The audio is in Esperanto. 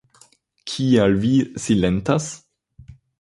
Kial vi silentas?